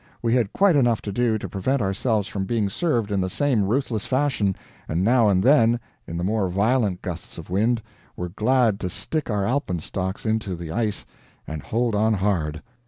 We had quite enough to do to prevent ourselves from being served in the same ruthless fashion, and now and then, in the more violent gusts of wind, were glad to stick our alpenstocks into the ice and hold on hard."